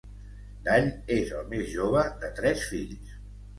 Dall és el més jove de tres fills.